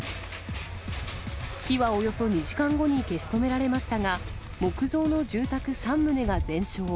火はおよそ２時間後に消し止められましたが、木造の住宅３棟が全焼。